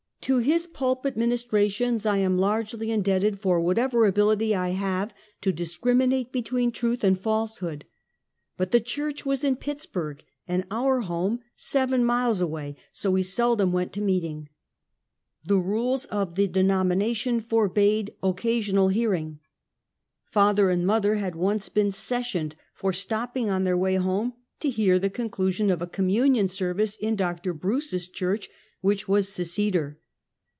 To his pulpit ministrations I am largely indebted for whatever ability I have to discriminate between truth and falsehood; but the church was in Pittsburg, and our home seven miles away, so we seldom went to meeting. The rules of the denomination forbade " oc casional hearing." Father and mother had once been " sessioned " for stopping on their way home to hear the^ conclusion of a communion service in Dr. Bruce's church, which was Seceder.